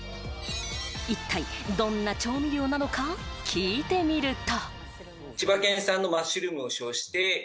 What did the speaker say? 一体どんな調味料なのか聞いてみると。